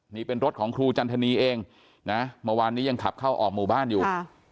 นี่เป็นรถของครูจันทนีเองนะเมื่อวานนี้ยังขับเข้าออกหมู่บ้านอยู่